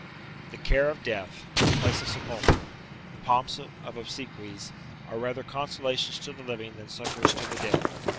["The care of death, the place of sepulture, the pomps of obsequies, are rather consolations to the living than succours to the dead."